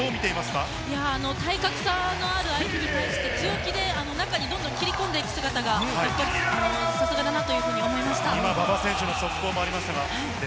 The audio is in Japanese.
体格差のある相手に対して強気で中にどんどん切れ込んでいく姿が馬場選手の速攻もありました。